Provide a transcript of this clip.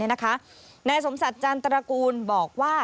นายสมศักดิ์จันตระกูลบอกว่า